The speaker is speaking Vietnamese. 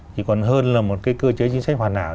thì còn hơn là một cái cơ chế chính sách hoàn hảo